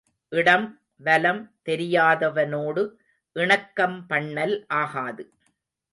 இடம் வலம் தெரியாதவனோடு இணக்கம் பண்ணல் ஆகாது.